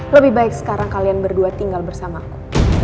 lebih baik sekarang kalian berdua tinggal bersamaku